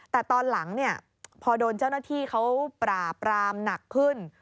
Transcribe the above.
แต่ตอนหลังเนี่ยพอโดนเจ้าหน้าที่เขาปราบรามหนักขึ้น